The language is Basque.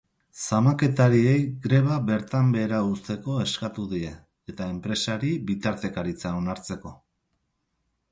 Zamaketariei greba bertan behera uzteko eskatu die, eta enpresari bitartekaritza onartzeko.